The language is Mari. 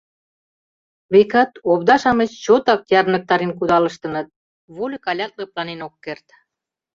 Векат, овда-шамыч чотак ярныктарен кудалыштыныт, вольык алят лыпланен ок керт.